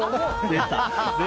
出た！